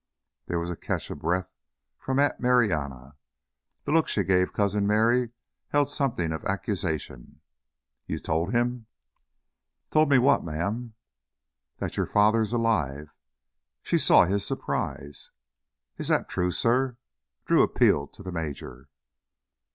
There was a catch of breath from Aunt Marianna. The look she gave Cousin Merry held something of accusation. "You told him!" "Told me what, ma'am?" "That your father is alive...." She saw his surprise. "Is that true, suh?" Drew appealed to the major.